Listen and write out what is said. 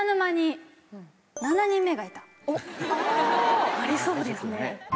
え⁉ありそうですね。